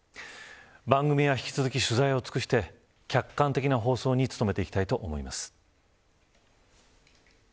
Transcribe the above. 番組は引き続き取材を尽くして客観的な放送に努めていきたいと思います。